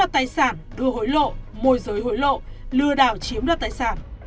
tài sản đưa hối lộ môi giới hối lộ lừa đảo chiếm đoạt tài sản